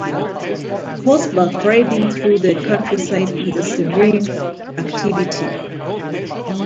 Horseback riding through the countryside is a serene activity.